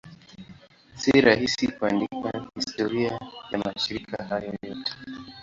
Si rahisi kuandika historia ya mashirika hayo yote.